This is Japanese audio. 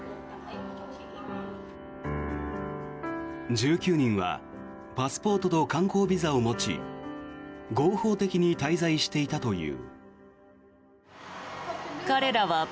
１９人はパスポートと観光ビザを持ち合法的に滞在していたという。